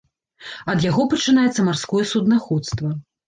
Ад яго пачынаецца марское суднаходства.